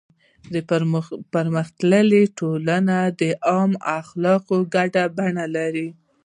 پرمختللې ټولنه د علم او اخلاقو ګډه بڼه لري.